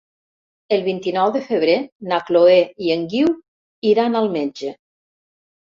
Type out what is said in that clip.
El vint-i-nou de febrer na Chloé i en Guiu iran al metge.